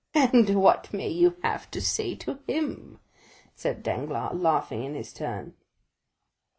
"And what may you have to say to him?" said Danglars, laughing in his turn.